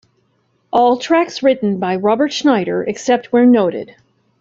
All tracks written by Robert Schneider except where noted.